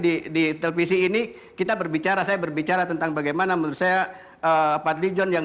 di televisi ini kita berbicara saya berbicara tentang bagaimana menurut saya fadli john yang